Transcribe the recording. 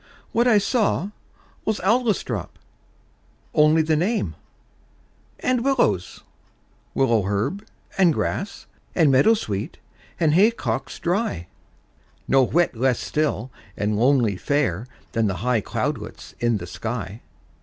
What I saw Was Adlestrop only the name And willows, willow herb, and grass, And meadowsweet, and haycocks dry; No whit less still and lonely fair Than the high cloudlets in the sky.